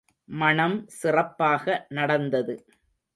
மணம் சிறப்பாக நடந்தது.